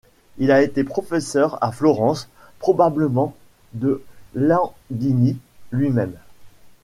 Il a été professeur à Florence, probablement de Landini lui-même.